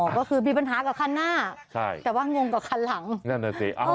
ก็คือมีปัญหากับคันหน้าใช่แต่ว่างงกับคันหลังนั่นน่ะสิ